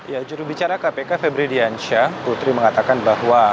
ya jurubicara kpk febri diansyah putri mengatakan bahwa